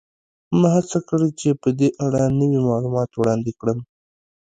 ما هڅه کړې چې په دې اړه نوي معلومات وړاندې کړم